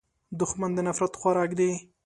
دښمن د نفرت خوراک دی